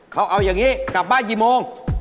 เขาเอาอย่างนี้กลับบ้านกี่โมง